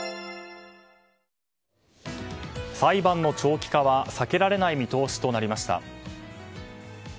裁判の長期化は避けられない見通しとなりました。